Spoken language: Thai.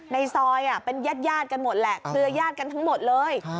ในซอยเป็นญาติกันหมดแหละเครือญาติกันทั้งหมดเลย